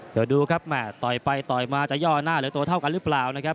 จะดูครับไหมต่อยไปต่อยมาจะย่อหน้าเหลือโตเท่ากันรึเปล่านะครับ